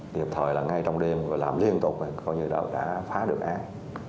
tiệp thời là ngay trong đêm làm liên tục coi như đã phá được án